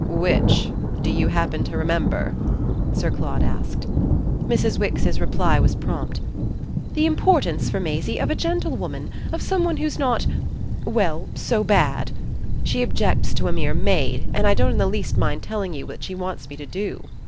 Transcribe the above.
"Which? Do you happen to remember?" Sir Claude asked. Mrs. Wix's reply was prompt. "The importance for Maisie of a gentlewoman, of some one who's not well, so bad! She objects to a mere maid, and I don't in the least mind telling you what she wants me to do."